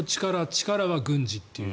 力は軍事という。